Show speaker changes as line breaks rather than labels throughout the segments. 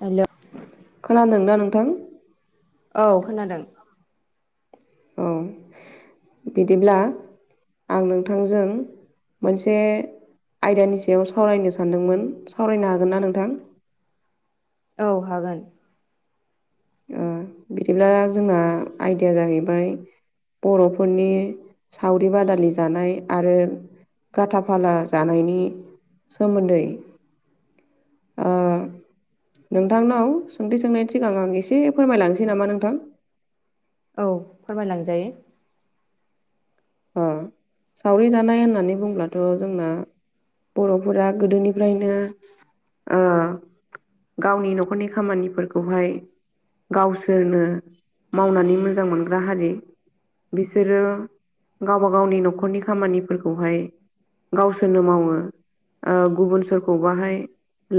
Hello
खोनादों दा नोंथां?
औ खोनादों।
औ बिदिब्ला आं नोंथांजों मोनसे आयदानि सायाव सावरायनो सानदोंमोन। सावरायनो हागोन ना नोंथां?
औ हागोन।
ओ बिदिब्ला जोंना आयदाया जाहैबाय बर'फोरनि सावरि बादालि जानाय आरो गाथाफाला जानायनि सोमोन्दै ओ नोंथांनाव सोंथि सोंनायनि सिगां आं एस से फोरमायलांनोसै नामा नोंथां?
औ फोरमाय लांजायो।
ओ सावरि जानाय होननानै बुंब्लाथ' जोंना बर'फोरा गोदोनिफ्रायनो ओ गावनि न'खरनि खामानिफोरखौहाय गावसोरनो मावनानै मोजां मोनग्रा हारि बिसोरो गावबा गावनि न'खरनि खामानिफोरखौहाय गावसोरनो मावो। ओ गुबुन सोरखौबाहाय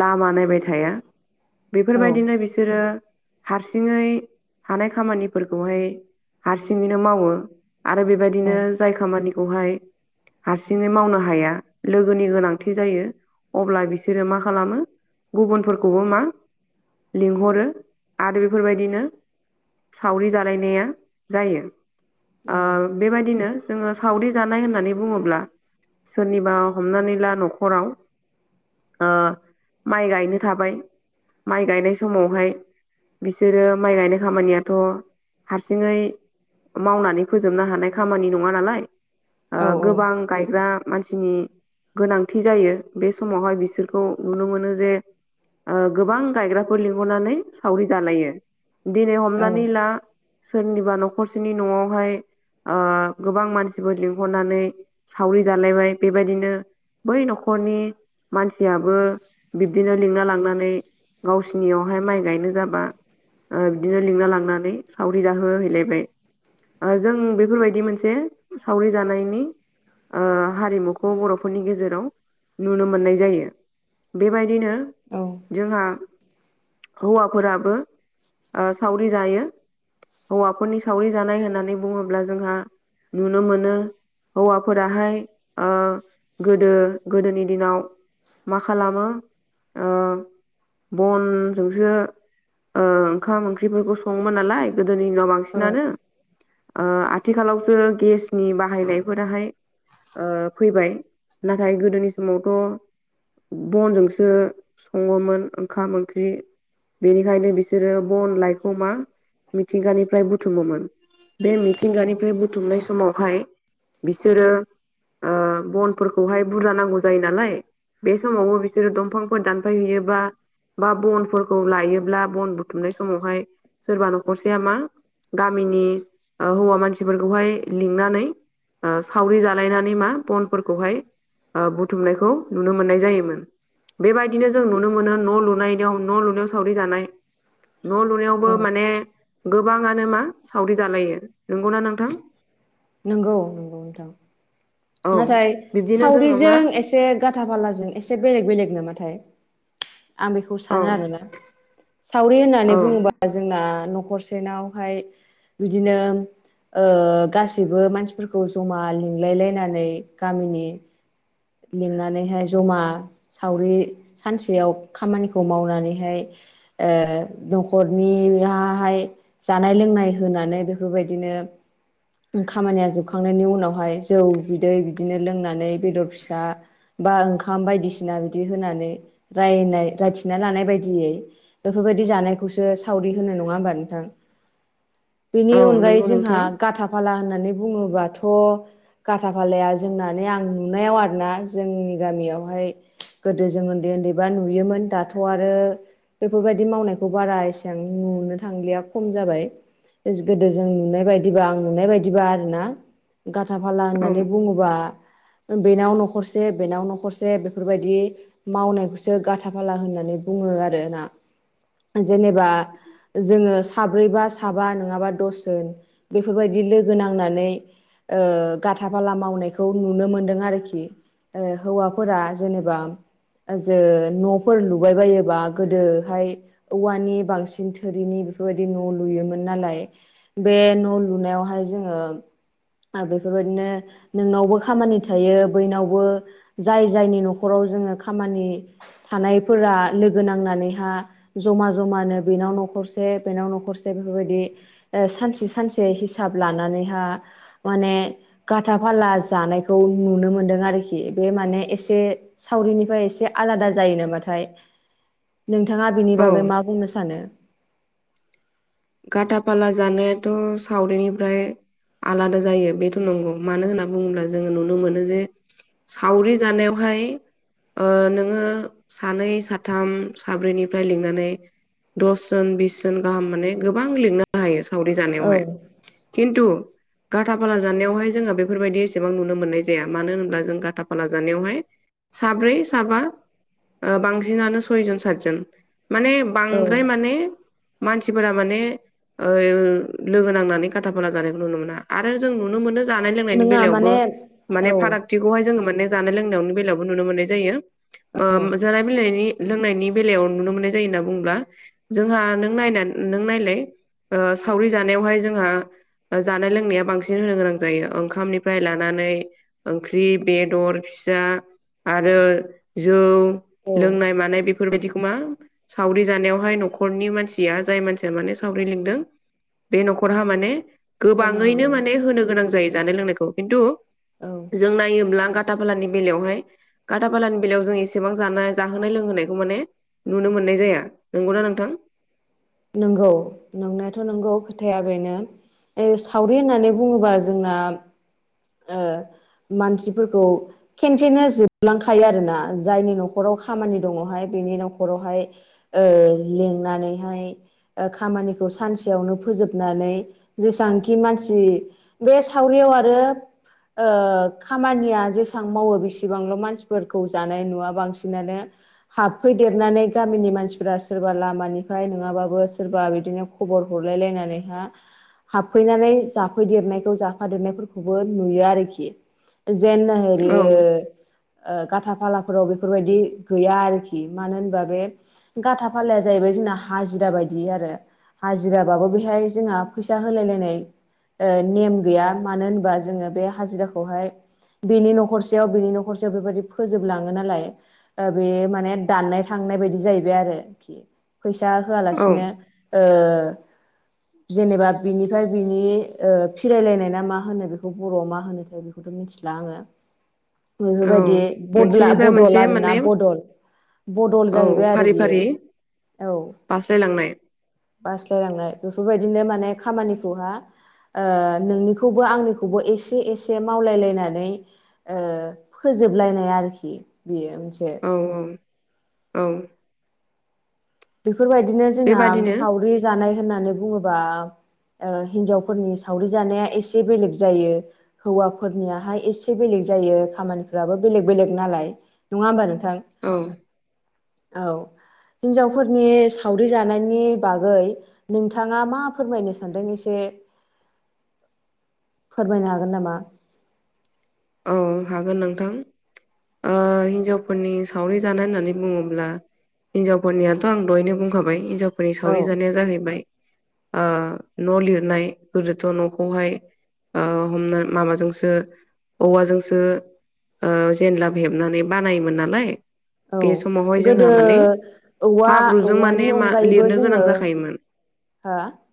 लामा नायबाय थाया।
औ
बेफोरबायदिनो बि सोरो हारसिङै हानाय खामानिफोरखौहाय हारसिङैनो मावो आरो
औ
बेबायदिनो जाय खामानिखौहाय हारसिङै मावनो हाया, लोगोनि गोनांथि जायो। अब्ला बिसोरो मा खालामो? गुबुनफोरखौबो मा लिंहरो आरो बेफोरबायदिनो सावरि जालायनाया जायो।
औ
ओ बेबायदिनो जोङो सावरि जानाय होननानै बुङोब्ला सोरनिबा हमनानै ला न'खराव ओ माइ गायनो थाबाय। माइ गायनाय समावहाय बिसोरो माइ गायनाय खामानियाथ' हारसिङै मावनानै फोजोबनो हा नाय खामानि नङा नालाय।
औ
ओगोबां गायग्रा मानसिनि गोनांथि जायो बे समावहाय बिसोरखौ नुनो मोनो जे ओ गोबां गायग्राफोर लिंहरनानै सावरि जालायो। दिनै हमनानै ला सोरनिबा न'खरसेनि न'आवहाय आ गोबां मानसिफोर लिंहरनानै सावरि जालायबाय बेबायदिनो बै न'खरनि मानसियाबो बिब्दिनो लिंना लांनानै गावसिनियावहाय माइ गायनो जाबा ओ बिदिनो लिंना लांनानै सावरि जाहोहैलायबाय ओ जों बे बेफोरबायदि मोनसे सावरि जानायनि ओ हारिमुखौ बर'फोरनि गेजेराव नुनो मोननाय जायो। बेबायदिनो
औ
जोंहा हौवाफोराबो सावरि जायो हौवाफोरनि सावरि जानाय होननानै बुङोब्ला जोंहा नुनो मोनो हौवाफोराहाय गोदो गोदोनि दिनाव मा खालामो बनजोंसो ओंखाम ओंख्रिफोरखौ सङोमोन नालाय गोदोनि दिनाव बांसिनानो आथिखालावसो गेसनि बाहायनायफोराहाय फैबाय नाथाय गोदोनि समावथ' बनजोंसो सङोमोन ओंखाम ओंख्रि बेनिखायनो बिसोरो बन लाइखौ मा मिथिंगानिफ्राय बुथुमोमोन बे मिथिंगानिफ्राय बुथुमनाय समावहाय बिसोरो बनफोरखौहाय बुरजा नांगौ जायो नालाय बे समावबो बिसोरो दंफांफोर दानफाय हैैयोबा बा बनफोरखौ लायोब्ला बन बुथुमनाय समावहाय सोरबा न'खरसेया मा गामिनि हौवा मानसिफोरखौहाय लिंनानै सावरि जालायनानै मा बनफोरखौहाय बुथुमनायखौ नुनो मोननाय जायोमोन बेबायदिनो जों नुनो मोनो न' लुनायाव न' लुनायाव सावरि जानाय न' लुनायावबो माने गोबाङानो मा सावरि जालायो नंगौना नोंथां
नंगौ नंगौ नोंथां
औ
नाथाय
बिब्दिनो जोङो मा
सावरिजों एसे एसे गाथा फालाजों एसे बेलेग बेलेग नामाथाय आं बेखौ
औ
सानो आरोना सावरि होननानै
औ
बुङोबा जोंना न'खरसेनावहाय बिदिनो गासै गासैबो मानसिफोरखौ जमा लिंलाय लायनानै गामिनि लिंनानैहाय जमा सावरि सानसेयाव खामानिखौ मावनानैहाय ओ न'खरनियाहाय जानाय लोंनाय होनानै बेफोरबायदिनो खामानिया जोबखांनायनि उनावहाय जौ बिदै बिदिनो लोंनानै बेदर फिसा फिसा बा ओंखाम बायदिसिना बिदि होनानै रायनाय रायथिना लानाय बायदियै बेफोरबायदि जानायखौसो सावरि होनो नङा होमबा नोंथां बेनि
औ नंगौ
अनगायै जोंहा
नोंथां
गाथा का फाला होननानै बुङोबाथ' खाथा फालाया जोंनानै आं नुनायाव आरो दाना जोंनि गामियावहाय गोदो जों उन्दै उन्दैबा नुयोमोन दाथ' आरो बेफोरबायदि मावनायखौ बारा एसेां नुनो थांलिया खम जाबाय गोदो जों नुनाय बायदिबा आं नुनाय बायदिबा आर ना गाथा फाला
औ
होननानै बुङोबा बेनाव नख न'खरसे बेनाव न'खरसे बेफोरबायदि मावनायखौसो गाथाफाला होननानै बुङो आरो ना जेनेबा जोङो साब्रैबा साबा नङाबा दसजोन बेफोरबायदि लोगो नांनानै गाथा फाला मावनायखौ नुनो मोनदों आरोखि हौवाफोरा जेनेबा ओ जो न'फोर लुबायबायोबा गोदोहाय औवानि बांसिन थोरिनि बेफोरबायदि न' लुयोमोन नालाय बे न' लुनायावहाय जोङो बेफोरबायदिनो नोंनावबो खामानि थायो बयनावबो जाय जायनि न'खराव जोङो खामानि थानायफोरा लोगो नांनानैहा जमा जमानो बेनाव न'खरसे बेनाव न'खरसे बेफोरबायदि ओ सानसे सानसे हिसाब लानानैहा माने गाथा फाला जानायखौ नुनो मोनदों आरोखि खि बे माने एसे सावरिनिफ्राय एसे आलादा जायो नामाथाय नोंथाङा बिनि
औ
बागै मा बुंनो सानो?
गथा फाला जानायाथ' सावरिनिफ्राय आलादा जायो बेथ' नंगौ मानो होनना बुङोब्ला जोङो नुनो मोनो जे सावरि जानायावहाय ओ नोङो सानै साथाम साब्रैनिफ्राय लिंनानै दसजन बिस जन गाहाम माने गोबां लिंनो हायो सावरि
औ
जानायावहाय खिन्थु गाथा फाला जानायावहाय जोङो बेफोरबायदि एसेबां नुनो मोननाय जाया मानो होनब्ला जों गाथाफाला जानायावहाय साब्रै साबा ओ बांसिनानो सयजन सातजन माने
औ
बांद्राय माने मानसि फोरा माने ओ लोगो नांनानै गाथा फला जानायखौ नुनो मोना आरो जों नुनो मोनो जानाय लोंनायनि
नङा
बेलायावबो
माने
माने
औ
फाराग थिखौहाय जों माने जानाय लोंनायावनि बेलायावबो नुनो मोननाय जायो।
औ
मो जानाय [unintelligible] लोंनायनि बेलायाव नुनो मोननाय जायो होनना बुंब्ला जोंहा नों नायना नों नायलाय ओ सावरि जानायावहाय जोंहा जानाय लोंनाया बांसिन होनो गोनां जायो ओंखामनिफ्राय लानानै ओंख्रि बेदर फिसा आरो जौ
औ
लोंनाय मानाय बेफोरबायदिखौ मा सावरि जानायावहाय न'खरनि मानसिया जाय मानसिया माने सावरि लिंदों बे न'खरहा माने
होनांगौ
गोबाङैनो
जायो
माने होनो गोनां जायो जानाय लोंनायखौ खिन्थु
औ
जों नायोब्ला गाथाफालानि बेलायावहाय गाथाफालानि बेलायाव जों एसेबां जानाय जाहोनाय लोंहोनायखौ माने नुनो मोननाय जाया नंगौना नोंथां?
नंगौ नंनायाथ' नंगौ खोथाया बेनो ओ सावरि होननानै बुङोबा जोंना ओ मानसिफोरखौ खेनसेनो जोबलांखायो आरो ना जायनि न'खराव खामानि दङ'हाय बेनि न'खरावहाय ओ लिंनानैहाय ओ खामानिखौ सानसेयावनो फोजोबनानै जेसांखि मानसि बे सावरियाव आरो ओ खामानिया जेसां मावो बेसेबांल' मानसिफोरखौ जानाय नुवा बांसिनानो हाबफैदेरनानै गामिनि मानसिफोरा सोरबा लामानिफ्राय नोङाबा बो सोरबा बिदिनो खबर हरलायलायनानैहा हाबफैनानै जाफैदेरनायखौ जाफादेरनायफोरखौबो नुयो आरोखि। जेन [unintelligible]
औ
ओ खाथा फालाफोराव बेफोरबायदि गैया आरोखि मानो होनबा बे गाथा फालाया जाहैबाय जोंना हाजिरा बाय दि आरो हाजिराबाबो बेहाय जोंहा फैसा होलाय लायनाय ओ नेम गैया मानो होनोबा जोङो बे हाजिराखौहाय बिनि न'खरसेयाव बिनि न'खरसेयाव बेबायदि फोजोबलाङो नालाय ओ बे माने दाननाय थांनाय बायदि जाहैबाय आरोखि फैसा
औ
होआलासिनो ओ जेनेबा बिनिफ्राय बिनि ओ फिरायलायनाय ना मा होनो बेखौ बर'आव मा होनो थाय बेखौ बेखौ मिथिला आङो
औ
बेफोरबायदि
मोनसेनिफ्राय
बदला-बदल
मोनसे
आरोना
माने
बदल बदल
औ
जाहैबाय आरो
फारि
बियो
फारि
औ।
बास्लायलांनाय
बास्लायलांनाय बेफोरबायदिनो माने खामानिखौहा ओ नोंनिखौबो आंनिखौबो एसे एसे मावलायलायनानै ओ फोजोबलायनाय आरोखि बेयो मोनसे
औ औ औ
बेफोरबायदिनो जोंना
बेबादिनो
सावरि जानाय होननानै बुङोबा ओ हिनजावफोरनि सावरि जानाया एसे बेलेग जायो हौवाफोरनियाहाय एसे बेलेग जायो खामानिफ्राबो बेलेग बेलेग नालाय नङा होमबा नोंथां
औ
औ हिनजाव फोरनि सावरि जानायनि बागै नोंथाङा मा फोरमायनो सानदों एसे फोरमायनो हागोन नामा
औ हागोन नोंथां ओ हिनजावफोरनि सावरि जानाय होननानै बुङोब्ला हिनजावफोरनियाथ आं दहायनो बुंखाबाय हिनजावफोरनि
औ
सावरि जानाया जाहैबाय ओ न लिरनाय गोदोथ नखौहाय ओ हमना माबाजोंसो औवाजोंसो ओ जेनलाब हेबनानै बानायोमोन नालाय
औ
बे समावहाय
गोदो
जोंहा माने
औवा
हाब्रुजों माने
औवानि
मा
अनगायैबो
लिरनो गोनां
जोङो
जाखायोमोन
[unintelligible]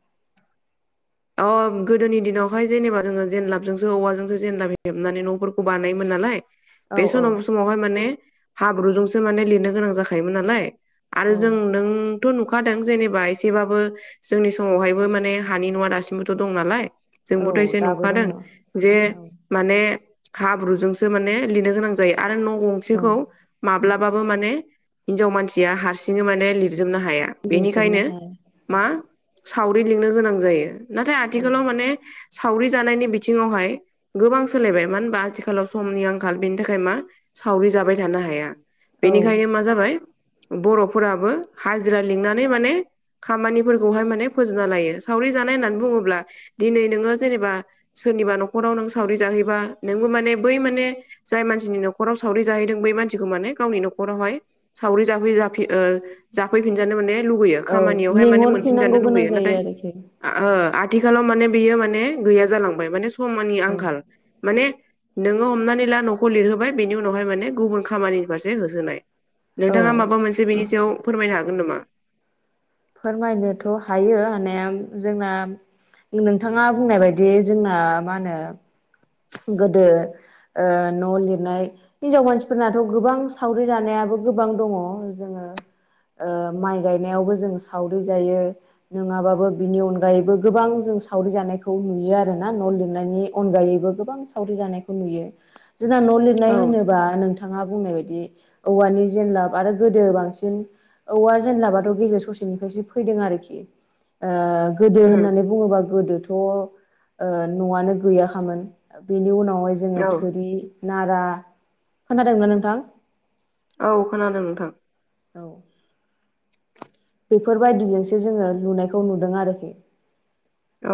अ गोदोनि दिनावहाय जेनेबा जोङो जेनलाबजोंसो औवाजोंसो जेनलाब हेबनानै नफोरखौ बानायोमोन नालाय
औ
बे
औ
समाव समावहाय माने हाब्रुजोंसो माने लिरनो गोनां जाखायोमोन नालाय आरो
औ
जों नों थ नुखादों जेनेबा एसेबाबो जोंनि समावहायबो माने हानि नुवा दासिमबोथ दं नालाय
औ
जोंबोथ एसे
दाबो दङ
नुखादों
औ
जे माने हाब्रुजोंसो माने लिरनो गोनां जायो आरो न गंसेखौ
औ
माब्लाबाबो माने हिनजाव मानसिया हारसिङै माने लिरजोबनो हाया
लिरजोबनो
बेनिखायनो
हाया
मा सावरि लिंनो गोनां जायो नाथाय
औ
आथिखालाव माने सावरि जानायनि बिथिङावहाय गोबां सोलायबाय मानो होनबा आथिखालाव समनि आंखाल बेनि थाखाय मा सावरि जाबाय थानो हाया बेनिखायनो
औ
मा जाबाय बरफोराबो हाजिरा लिंनानै माने खामानिफोरखौहाय माने फोजोबना लायो सावरि जानाय होननानै बुङोब्ला दिनै नोङो जेनेबा सोरनिबा नखराव नों सावरि जाहैबा नोंबो माने बै माने जाय मानसिनि नखराव सावरि जाहैदों बै मानसिखौ माने गावनि नखरावहाय सावरि जाफै जाफि ओ जाफैफिनजानो माने लुुगैयो
औ
खामानियावहाय माने मोनफिनजानो
लिंहरफिननांगौ गोनां
लुुगैयो नाथाय
जायो आरोखि
आ ओ आथिखालाव माने बेयो माने गैया जालांबाय माने समनि आंखाल माने नोङो हमनानै ला नखौ लिरहोबाय बेनि उनावहाय माने गुबुन खामानि फारसे होसोनाय
औ
नोंथाङा माबा मोनसे बेनि सायाव फोरमायनो हागोन नामा
फोरमायनोथ हायो हानाया जोंना नोंथाङा बुंनाय बायदि जोंना मा होनो गोदो ओ न लिरनाय हिनजाव मानसिफोरनाथ गोबां सावरि जानायाबो गोबां दङ जोङो ओ माइ गायनायावबो जों सावरि जायो नङाबाबो बिनि अनगायैबो गोबां जों सावरि जानायखौ नुयो आरोना न लिरनायनि अनगायैबो गोबां सावरि जानायखौ नुयो जोंना न
औ
लिरनाय होनोबा नोंथा थाङा बुंनाय बायदि औवानि जेनलाब आरो गोदो बांसिन औवा जेनलाबाथ गेजेर ससेनिफ्रायसो फैदों आरोखि ओ गोदो
उम
होननानै बुङोबा गोदोथ ओ न आनो गैयाखामोन बेनि उनावहाय जोङो
औ
थुरि नारा खोनादोंमोन नोंथां
औ खोनादों नोंथां
औ बेफोरबायदिजोंसो जोङो नुनायखौ नुदों आरखि
औ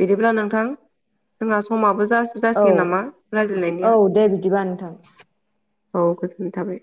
बिदिब्ला नोंथां जोंहा समाबो जा
औ
जासिगोन नामा
औ
रायज्लायनायनिया
दे बिदिबा नोंथां
औ गोजोननाय थाबाय